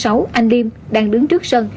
anh liêm đang đứng trước sân